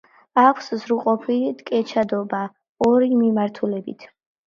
აქვს სრულყოფილი ტკეჩადობა ორი მიმართულებით.